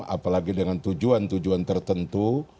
apalagi dengan tujuan tujuan tertentu